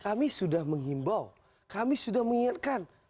kami sudah menghimbau kami sudah mengingatkan